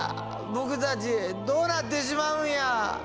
僕たちどうなってしまうんや？